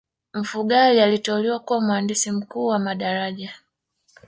mfugale aliteuliwa kuwa mhandisi mkuu wa madaraja